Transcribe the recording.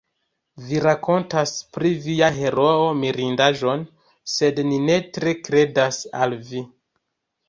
Vi rakontas pri via heroo mirindaĵon, sed ni ne tre kredas al vi.